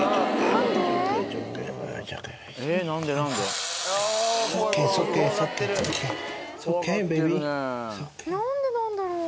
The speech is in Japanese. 何でなんだろう？